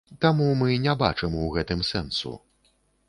Таму мы не бачым у гэтым сэнсу.